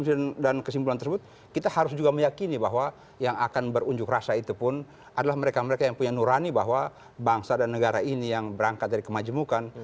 kesimpulan tersebut kita harus juga meyakini bahwa yang akan berunjuk rasa itu pun adalah mereka mereka yang punya nurani bahwa bangsa dan negara ini yang berangkat dari kemajemukan